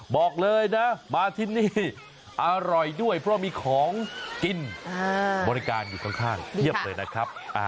บอกเลยนะมาที่นี่อร่อยด้วยเพราะมีของกินบริการอยู่ข้างเพียบเลยนะครับ